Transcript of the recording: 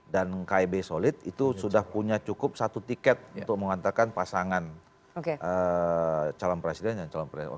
dan kib solid itu sudah punya cukup satu tiket untuk mengantarkan pasangan calon presiden dan calon wakil presiden